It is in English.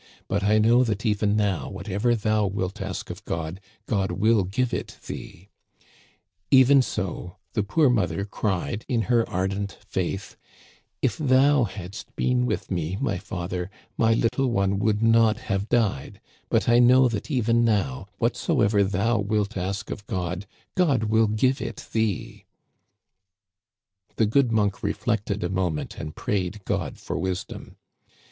But I know that even now, whatever thou wilt ask of God, God will give it thee,* even so the poor mother cried in her ardent faith, * If thou hadst been with me, my father, my little one would not have died ; but I know that even now, whatsoever thou wilt ask of God, God will give it thee/ The good monk reflected a moment and prayed» God for wisdom.